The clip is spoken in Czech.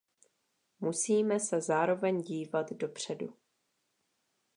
Musíme se zároveň dívat dopředu.